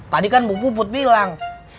tadi kan bu puput bilang